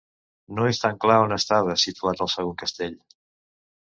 No és tan clar on estava situat el segon castell.